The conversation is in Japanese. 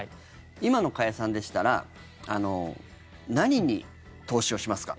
今の加谷さんでしたら何に投資をしますか？